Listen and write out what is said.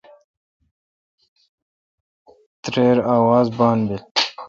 تترہ آواز بان بیل۔